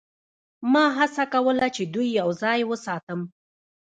ما هڅه کوله چې دوی یوځای وساتم